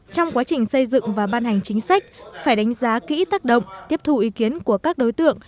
trong quá trình xây dựng và ban hành chính sách phải đánh giá kỹ tác động tiếp thù ý kiến của các đối tượng